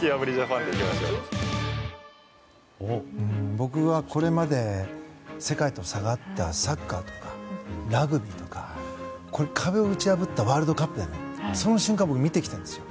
僕はこれまで世界と差があったサッカーとかラグビーとか壁を打ち破ったワールドカップその瞬間を見てきたんですよ。